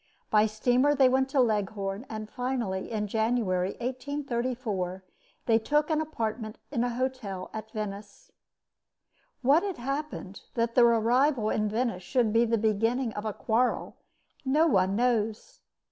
By steamer they went to Leghorn; and finally, in January, 1834, they took an apartment in a hotel at Venice. What had happened that their arrival in Venice should be the beginning of a quarrel, no one knows.